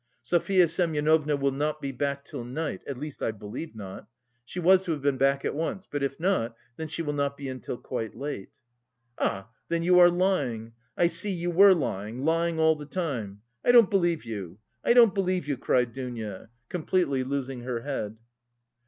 "Sofya Semyonovna will not be back till night, at least I believe not. She was to have been back at once, but if not, then she will not be in till quite late." "Ah, then you are lying! I see... you were lying... lying all the time.... I don't believe you! I don't believe you!" cried Dounia, completely losing her head.